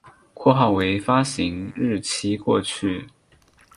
括号为发行日期过去